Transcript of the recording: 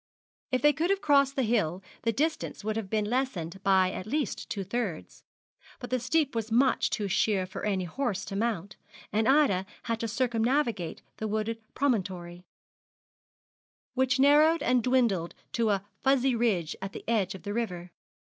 If they could have crossed the hill, the distance would have been lessened by at least two thirds, but the steep was much too sheer for any horse to mount, and Ida had to circumnavigate the wooded promontory, which narrowed and dwindled to a furzy ridge at the edge of the river.